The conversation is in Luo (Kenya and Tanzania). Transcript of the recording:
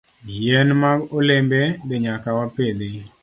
Yien mag olembe be nyaka wapidhi.